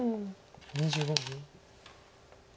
２５秒。